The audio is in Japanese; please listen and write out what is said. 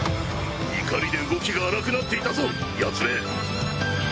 怒りで動きが荒くなっていたぞ八つ眼！